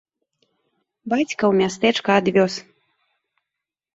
Бацька ў мястэчка адвёз.